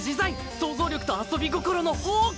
想像力と遊び心の宝庫。